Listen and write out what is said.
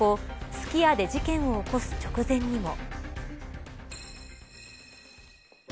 すき家で事件を起こす直前にも。